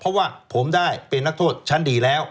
เพราะว่าผมได้เป็นนักโทษชั้นดีแล้ว